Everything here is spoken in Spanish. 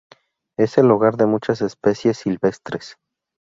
Es el hogar de muchas especies silvestres.